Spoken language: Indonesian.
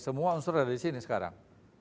semua unsur ada di sini sekarang